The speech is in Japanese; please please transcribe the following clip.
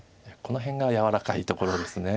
この辺が柔らかいところです